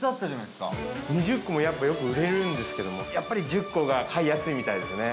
田中さん：２０個も、やっぱよく売れるんですけどもやっぱり１０個が買いやすいみたいですね。